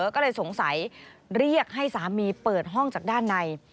ก็เลยสงสัยเรียกให้สามีเปิดห้องจากด้านใน